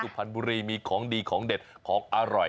พรรณบุรีมีของดีของเด็ดของอร่อย